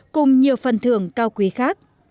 cùng nhiều phần thưởng cao quý khác